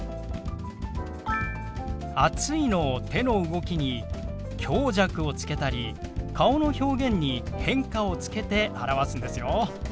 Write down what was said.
「暑い」の手の動きに強弱をつけたり顔の表現に変化をつけて表すんですよ。